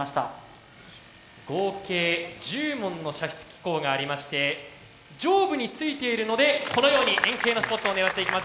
合計１０門の射出機構がありまして上部についているのでこのように円形のスポットを狙っていきます。